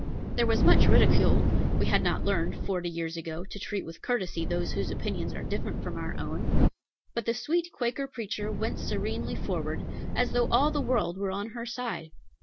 There was much ridicule, we had not learned, forty years ago, to treat with courtesy those whose opinions are different from our own, but the sweet Quaker preacher went serenely forward, as though all the world were on her side.